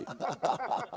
ハハハハ。